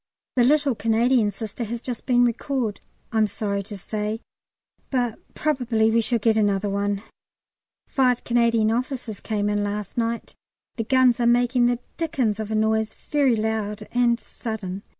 The little Canadian Sister has just been recalled, I'm sorry to say, but probably we shall get another one. Five Canadian officers came in last night. The guns are making the dickens of a noise, very loud and sudden.